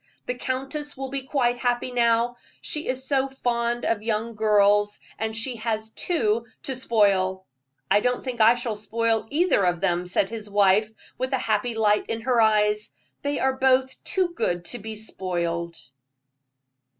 "The countess will be quite happy now; she is so fond of young girls, and she has two to spoil." "I don't think I shall spoil either of them," said his wife, with a happy light in her eyes; "they are both too good to be spoiled."